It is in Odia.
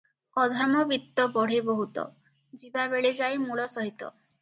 "ଅଧର୍ମବିତ୍ତ ବଢ଼େ ବହୁତ, ଯିବାବେଳେ ଯାଏ ମୂଳ ସହିତ ।"